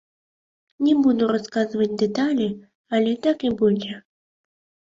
Не буду расказваць дэталі, але так і будзе.